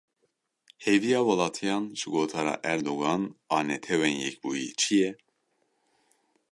Hêviya welatiyan ji gotara Erdogan a li Netewên Yekbûyî çi ye?